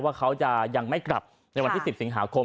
ว่าเขายังไม่กลับในวันที่สิบกบ